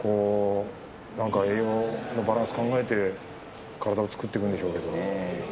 栄養バランスを考えて体を作っていくんでしょうけれど。